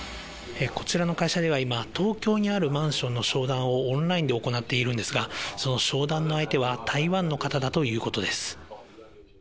こちらの会社では今、東京にあるマンションの商談をオンラインで行っているんですが、その商談の相手は台湾の方だということです。